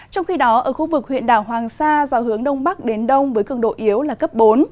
trong khi đó ở khu vực huyện đảo hoàng sa gió hướng đông bắc đến đông với cường độ yếu là cấp bốn